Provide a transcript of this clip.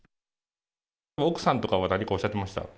奥さんとかは何かおっしゃってました？